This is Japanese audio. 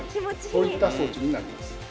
そういった装置になります。